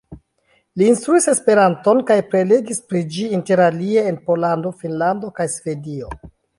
Li instruis Esperanton kaj prelegis pri ĝi, interalie en Pollando, Finnlando kaj Svedio.